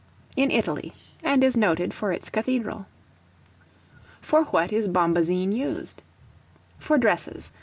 In Italy, and is noted for its cathedral. For what is Bombazine used? For dresses.